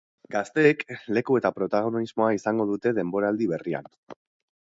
Gazteek leku eta protagonismoa izango dute denboraldi berrian.